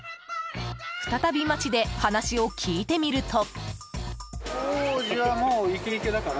再び街で話を聞いてみると。